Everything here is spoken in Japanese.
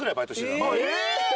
え！